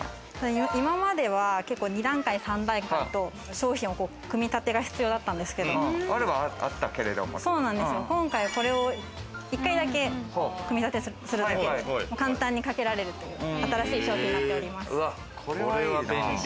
今までは２段階、３段階と、商品の組み立てが必要だったんですけど、今回はこれを１回だけ組み立てするだけで簡単にかけられる、新しい商品になっております。